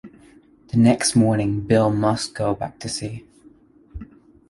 The next morning Bill must go back to sea.